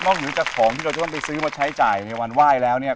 เหนือจากของที่เราจะต้องไปซื้อมาใช้จ่ายในวันไหว้แล้วเนี่ย